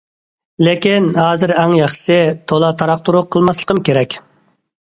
لېكىن، ھازىر ئەڭ ياخشىسى، تولا تاراق- تۇرۇق قىلماسلىقىم كېرەك.